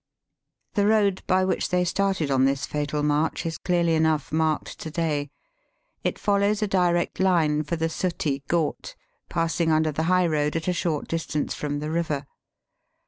The road by which they started on this fatal march is clearly enough marked to day. It follows a direct line for the Suttee Ghat, pass ing under the high road at a short distance from the river.